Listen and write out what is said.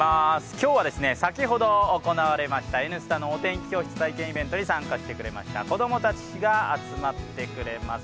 今日は先ほど行われました「Ｎスタ」のお天気教室体験イベントに参加してくれました子供たちが集まってくれます。